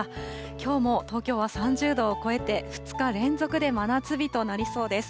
きょうも東京は３０度を超えて、２日連続で真夏日となりそうです。